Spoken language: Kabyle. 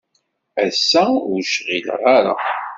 Ass-a, ur cɣileɣ ara.